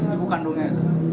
ibu kandungnya itu